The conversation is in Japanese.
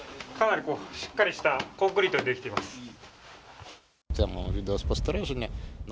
かなりしっかりしたコンクリートでできています。